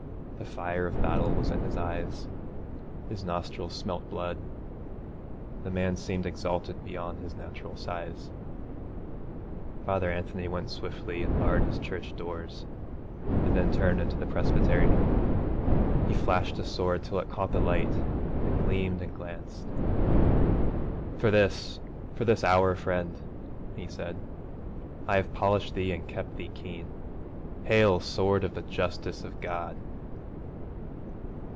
The fire of battle was in his eyes, his nostrils smelt blood, and the man seemed exalted beyond his natural size. Father Anthony went swiftly and barred his church doors, and then turned into the presbytery. He flashed his sword till it caught the light and gleamed and glanced. 'For this, for this hour, friend,' he said, 'I have polished thee and kept thee keen. Hail, sword of the justice of God!'